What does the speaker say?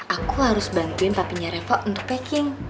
aku harus bantuin tapinya revo untuk packing